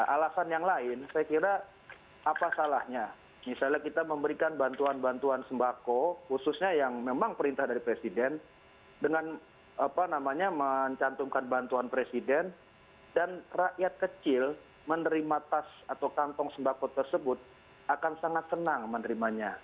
alasan yang lain saya kira apa salahnya misalnya kita memberikan bantuan bantuan sembako khususnya yang memang perintah dari presiden dengan mencantumkan bantuan presiden dan rakyat kecil menerima tas atau kantong sembako tersebut akan sangat senang menerimanya